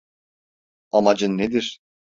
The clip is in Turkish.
Amacın nedir?